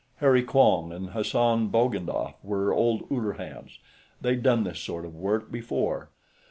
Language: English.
Harry Quong and Hassan Bogdanoff were old Uller hands; they'd done this sort of work before.